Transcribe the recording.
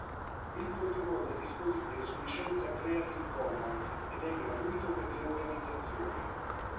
Il protocollo è disponibile su licenza Creative Commons ed è gratuito per le organizzazioni.